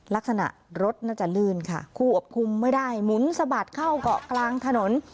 ลักษณะรถน่าจะลื่นค่ะควบคุมไม่ได้หมุนสะบัดเข้าเกาะกลางถนน